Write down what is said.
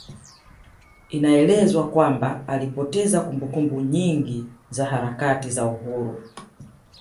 Inaelezwa kwamba alipoteza kumbukumbu nyingi za harakati za Uhuru